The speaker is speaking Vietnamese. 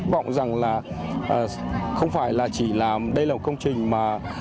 vâng rằng là không phải là chỉ làm đây là một công trình mà